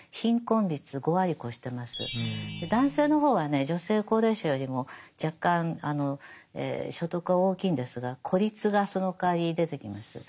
で男性の方はね女性高齢者よりも若干所得は大きいんですが孤立がそのかわり出てきます。